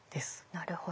なるほど。